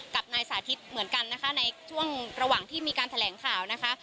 กับนายสาธิตเหมือนกันนะคะในช่วงระหว่างที่มีการแถลงข่าวนะคะ